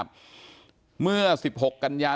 ผมมีโพสต์นึงครับว่า